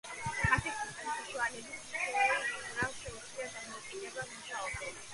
მართვის სისტემის საშუალებით თითოეულ ძრავას შეუძლია დამოუკიდებლად მუშაობა.